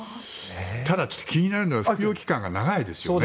ただ気になるのは服用期間が長いですよね。